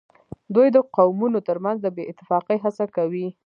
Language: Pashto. دوی د قومونو ترمنځ د بې اتفاقۍ هڅه کوي